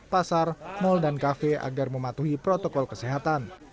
pasar mal dan kafe agar mematuhi protokol kesehatan